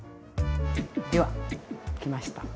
ではきました。